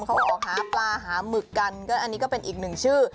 เขาบอกหาปลาหาหมึกกันก็อันนี้ก็เป็นอีกหนึ่งชื่อ